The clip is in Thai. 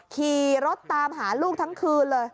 ขี่รถตามหาลูกทั้งคืนเลย